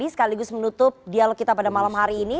sekaligus menutup dialog kita pada malam hari ini